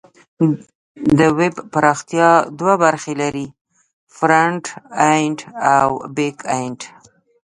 د ویب پراختیا دوه برخې لري: فرنټ اینډ او بیک اینډ.